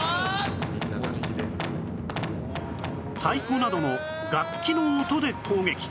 太鼓などの楽器の音で攻撃